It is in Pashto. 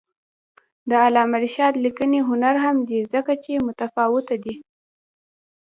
د علامه رشاد لیکنی هنر مهم دی ځکه چې متفاوته دی.